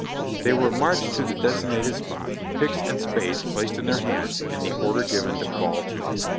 They were marched to the designated spot, picks and spades placed in their hands, and the order given to fall to.